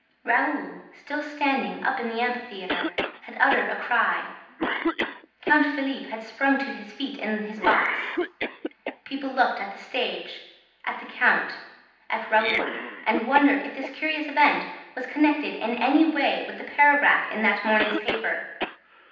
Raoul, still standing up in the amphitheater, had uttered a cry. Count Philippe had sprung to his feet in his box. People looked at the stage, at the count, at Raoul, and wondered if this curious event was connected in any way with the paragraph in that morning's paper.